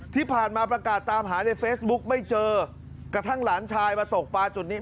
ที่ผ่านมาประกาศตามหาในเฟซบุ๊กไม่เจอกระทั่งหลานชายมาตกปลาจุดนี้